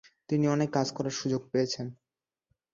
তিনি অনেক কাজ করার সুযোগ পেয়েছেন।